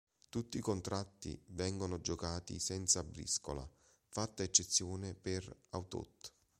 Tutti i contratti vengono giocati senza briscola, fatta eccezione per atout.